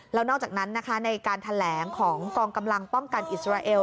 แล้วนอกจากนั้นนะคะในการแถลงของกองกำลังป้องกันอิสราเอล